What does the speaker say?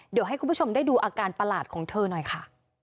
เดี๋ยวให้คุณผู้ชมได้ดูอาการประหลาดของเธอหน่อยค่ะ